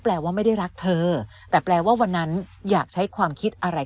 ว่าไม่ได้รักเธอแต่แปลว่าวันนั้นอยากใช้ความคิดอะไร